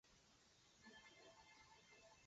三捷青石寨的历史年代为清。